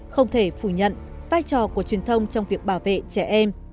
không thể phủ nhận vai trò của truyền thông trong việc bảo vệ trẻ em